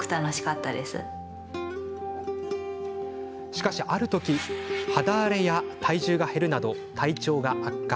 しかし、ある時肌荒れや体重が減るなど体調が悪化。